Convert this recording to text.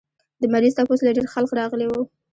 د مريض تپوس له ډېر خلق راغلي وو